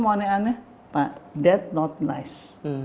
mau aneh aneh pak that not nice